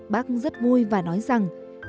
bác rất vui và nói rằng